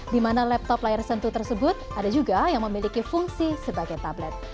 di mana laptop layar sentuh tersebut ada juga yang memiliki fungsi sebagai tablet